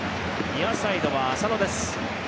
ニアサイドは浅野です。